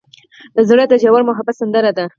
زړه د ژور محبت سندره ده.